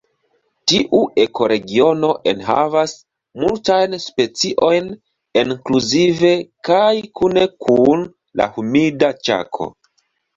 Tiu ekoregiono enhavas multajn speciojn ekskluzive kaj kune kun la Humida Ĉako.